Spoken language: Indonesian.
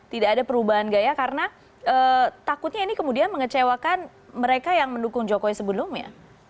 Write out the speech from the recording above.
tidak ada perubahan gaya karena takutnya ini kemudian mengecewakan mereka yang mendukung jokowi sebelumnya